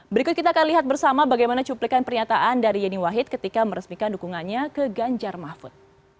berikut kita akan lihat bersama bagaimana cuplikan pernyataan dari yeni wahid ketika meresmikan dukungannya ke ganjar mahfud